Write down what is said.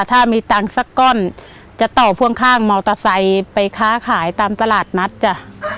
ถ้ามีตังค์สักก้อนจะต่อพ่วงข้างมอเตอร์ไซค์ไปค้าขายตามตลาดนัดจ้ะ